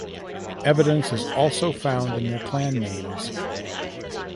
Evidence is also found in their clan names.